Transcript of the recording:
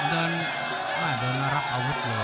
เดินมารับอาวุธเลย